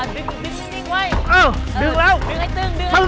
อ่ะดึงดึงดึงไว้เออดึงแล้วดึงไอ้ตึงดึงไอ้ตึง